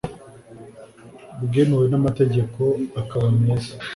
bwemewe n amategeko akaba meza